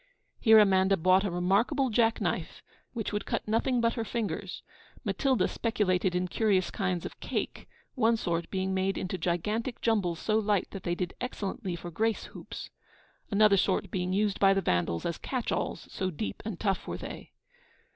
Here Amanda bought a remarkable jack knife, which would cut nothing but her fingers: Matilda speculated in curious kinds of cake; one sort being made into gigantic jumbles so light that they did excellently for grace hoops; another sort being used by these vandals as catch alls, so deep and tough were they.